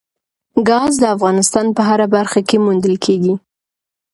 ګاز د افغانستان په هره برخه کې موندل کېږي.